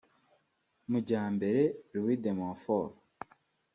Mujyambere Louis de Monfort